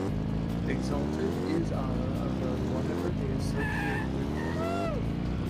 Exalted is Allah above whatever they associate with Him.